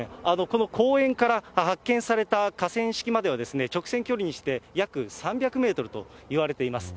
この公園から発見された河川敷までは、直線距離にして約３００メートルといわれています。